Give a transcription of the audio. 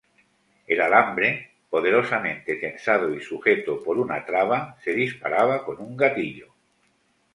El alambre, poderosamente tensado y sujeto por una traba, se disparaba con un gatillo.